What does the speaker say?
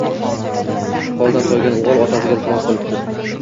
Holdan toygan oʻgʻil otasiga iltimos qilibd.